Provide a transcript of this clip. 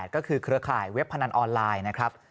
ก็คือเครือข่ายเว็บพนันออนไลน์นะครับ